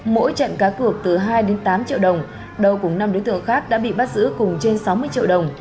mỗi trận cá cửa từ hai tám triệu đồng đâu cùng năm đối tượng khác đã bị bắt giữ cùng trên sáu mươi triệu đồng